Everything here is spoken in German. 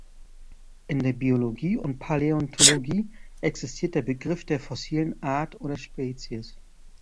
In der Biologie und Paläontologie existiert der Begriff der "fossilen Art" oder "Spezies".